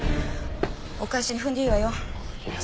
お返しに踏んでいいわよ。